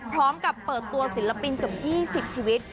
พร้อมกับเปิดตัวศิลปินเกี่ยวกับพี่สิบชีวิต